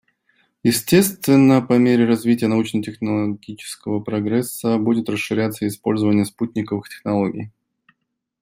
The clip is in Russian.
Естественно, по мере развития научно-технологического прогресса будет расширяться и использование спутниковых технологий.